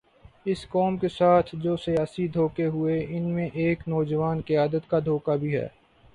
اس قوم کے ساتھ جو سیاسی دھوکے ہوئے، ان میں ایک نوجوان قیادت کا دھوکہ بھی ہے۔